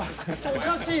おかしい。